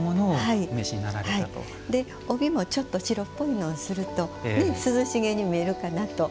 帯もちょっと白っぽいのをすると涼しげに見えるかなと。